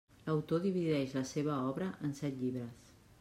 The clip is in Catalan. L'autor divideix la seva obra en set llibres.